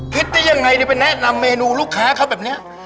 คิดได้ยังไงที่ไปแนะนำเมนูลูกค้าเขาแบบนี้